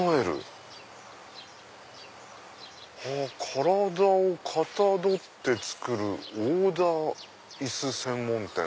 「身体を型採って作るオーダー椅子専門店」。